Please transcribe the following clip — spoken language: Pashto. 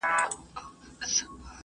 د تسپو دام یې په لاس کي دی ښکاریان دي